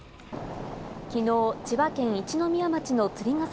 昨日、千葉県一宮町の釣ヶ崎